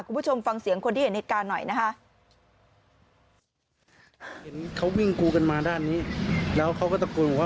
คุณผู้ชมฟังเสียงคนที่เห็นเหตุการณ์หน่อยนะคะ